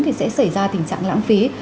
thì sẽ xảy ra tình trạng lãng phí